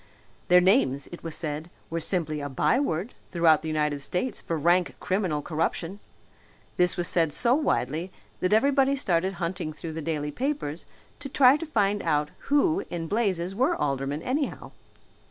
Their names, it was said, were simply a byword throughout the United States for rank criminal corruption. This was said so widely that everybody started hunting through the daily papers to try to find out who in blazes were aldermen, anyhow.